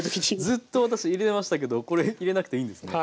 ずっと私入れてましたけどこれ入れなくていいんですね。